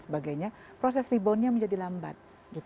sebagainya proses reboundnya menjadi lambat